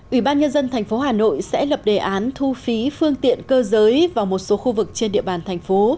ủy ban nhân dân tp hà nội sẽ lập đề án thu phí phương tiện cơ giới vào một số khu vực trên địa bàn thành phố